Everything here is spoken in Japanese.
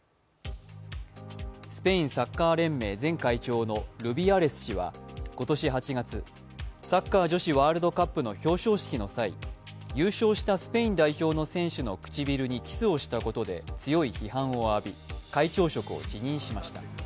スペインサッカー連盟前会長のルビアレス氏は今年８月、サッカー女子ワールドカップの表彰式の際優勝したスペイン代表の選手の唇にキスをしたことで強い批判を浴び、会長職を辞任しました。